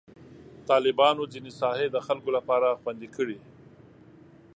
طالبانو ځینې ساحې د خلکو لپاره خوندي کړي.